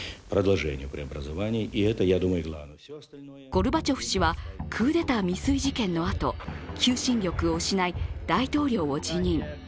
ゴルバチョフ氏はクーデター未遂事件のあと、求心力を失い、大統領を辞任。